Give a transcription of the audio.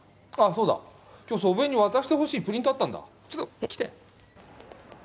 そうだ今日祖父江に渡してほしいプリントあったんだちょっと来てえっ？